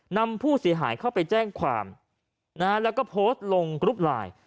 นำผู้เสียหายเข้าไปแจ้งความนะฮะแล้วก็โพสต์ลงกรุ๊ปไลน์